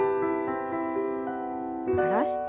下ろして。